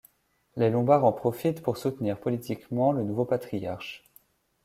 Les Lombards en profitent pour soutenir politiquement le nouveau patriarche.